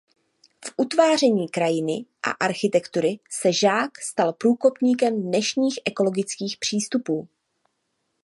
V utváření krajiny a architektury se Žák stal průkopníkem dnešních ekologických přístupů.